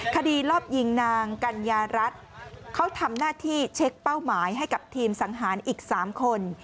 คดีรอบยิงนางกัญญารัฐเขาทำหน้าที่เช็คเป้าหมายให้กับทีมสังหารอีก๓คน